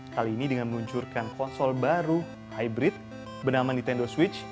kali ini dengan meluncurkan konsol baru hybrid bernama nintendo switch